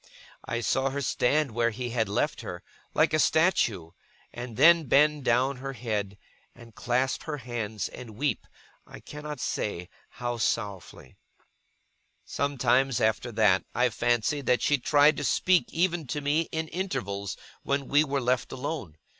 I saw her stand where he had left her, like a statue; and then bend down her head, and clasp her hands, and weep, I cannot say how sorrowfully. Sometimes, after that, I fancied that she tried to speak even to me, in intervals when we were left alone.